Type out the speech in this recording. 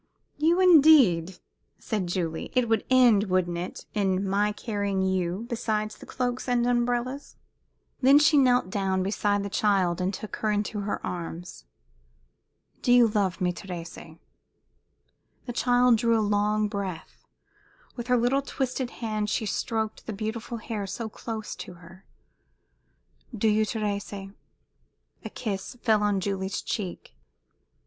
"You, indeed!" said Julie. "It would end, wouldn't it, in my carrying you besides the cloak and the umbrellas?" Then she knelt down beside the child and took her in her arms. "Do you love me, Thérèse?" The child drew a long breath. With her little, twisted hands she stroked the beautiful hair so close to her. "Do you, Thérèse?" A kiss fell on Julie's cheek.